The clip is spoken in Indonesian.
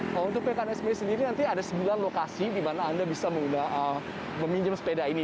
nah untuk mekanisme sendiri nanti ada sembilan lokasi di mana anda bisa meminjam sepeda ini